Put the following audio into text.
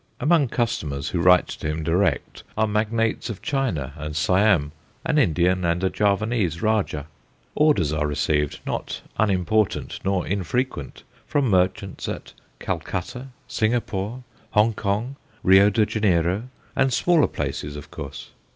Among customers who write to him direct are magnates of China and Siam, an Indian and a Javanese rajah. Orders are received not unimportant, nor infrequent from merchants at Calcutta, Singapore, Hong Kong, Rio de Janeiro, and smaller places, of course.